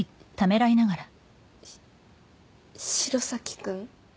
し城崎君？